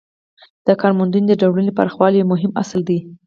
د کارموندنې د ډولونو پراخوالی یو مهم اصل دی.